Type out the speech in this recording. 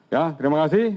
ya terima kasih